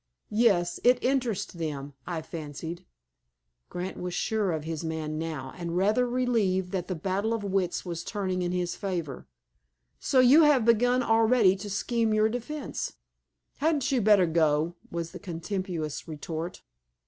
"Yes. It interested them, I fancied." Grant was sure of his man now, and rather relieved that the battle of wits was turning in his favor. "So you have begun already to scheme your defense?" "Hadn't you better go?" was the contemptuous retort.